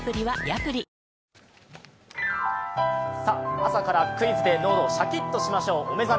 朝からクイズで脳をシャキッとしましょう。